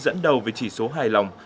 dẫn đầu về chỉ số hài lòng